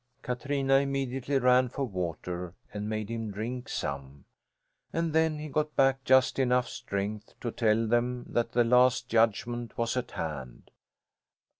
Katrina immediately ran for water and made him drink some; and then he got back just enough strength to tell them that the Last judgment was at hand.